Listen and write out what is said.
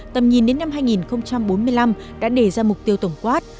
tầm nhìn đến năm hai nghìn bốn mươi năm đã đề ra mục tiêu tổng quát